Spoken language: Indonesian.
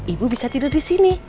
ibu bisa tidur di sini